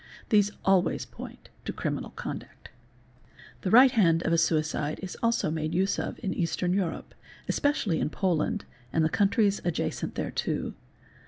These always point to criminal conduct. The right hand of a suicide is also made use of in Hastern Europe, especially in Poland and the countries adjacent thereto.